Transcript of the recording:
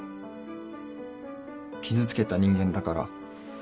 傷つけた人間だから。